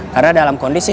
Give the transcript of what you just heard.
karena dalam kondisi